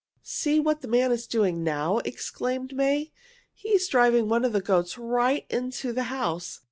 "See what the man is doing now!" exclaimed May. "He is driving one of the goats right into the house.